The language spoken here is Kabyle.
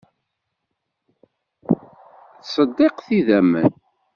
Ttṣeddiqet idammen.